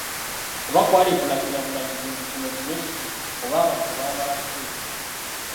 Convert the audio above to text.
Oba kwali kulagira bulagizi nti kino kibe kiti oba abantu baamala kuteesa.